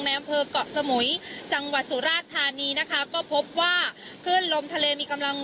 เนียมเพิร์กสมุยจังหวัดสู่รากฐานีนะคะก็พบว่าคลมทเรมีกำลัง